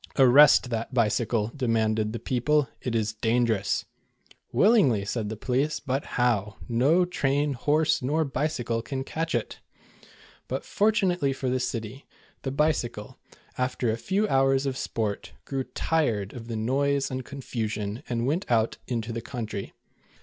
"Arrest that bicycle," demanded the people; "it is dangerous." "Willingly," said the police, "but how? No train, horse, nor bicycle can catch it." But fortunately for the city, the Bicycle, after 228 The Bold Bad Bicycle. a few hours of sport, grew tired of the noise and confusion, and went out into the country.